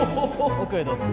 奥へどうぞ。